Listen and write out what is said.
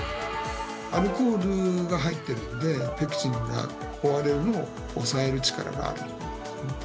アルコールが入ってるのでペクチンが壊れるのを抑える力があるんですね。